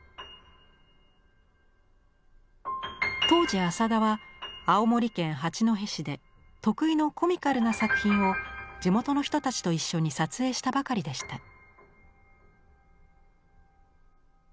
当時浅田は青森県八戸市で得意のコミカルな作品を地元の人たちと一緒に撮影したばかりでした。